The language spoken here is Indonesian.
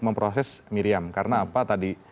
memproses miriam karena apa tadi